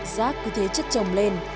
rác cứ thế chất chồng lên